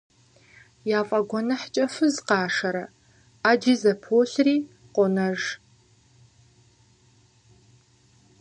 Яфӏэгуэныхькӏэ фыз къашэрэ, ӏэджи зэполъри къонэж.